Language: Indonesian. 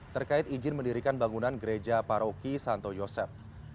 terkait izin mendirikan bangunan gereja paroki santo yosep